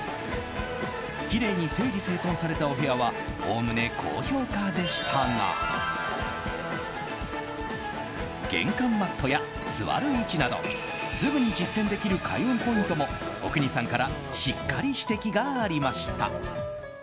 きれいに整理整頓されたお部屋はおおむね高評価でしたが玄関マットや座る位置などすぐに実践できる開運ポイントも阿国さんからしっかり指摘がありました。